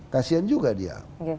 kasihan juga dia